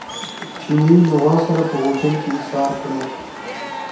چیني یې له غوا سره په غوجل کې ایسار کړل.